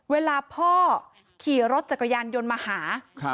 เวลาพ่อขี่รถจักรยานยนต์มาหา